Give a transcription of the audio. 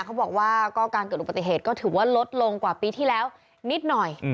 เขาบอกว่าก็การเกิดอุบัติเหตุก็ถือว่าลดลงกว่าปีที่แล้วนิดหน่อย